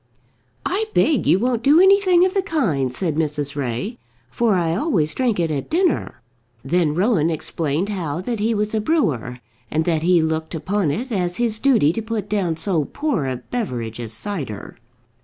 "I beg you won't do anything of the kind," said Mrs. Ray, "for I always drink it at dinner." Then Rowan explained how that he was a brewer, and that he looked upon it as his duty to put down so poor a beverage as cider.